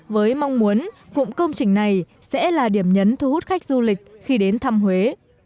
với mong muốn cụm công trình này sẽ là điểm nhấn thu hút khách du lịch khi đến thăm huế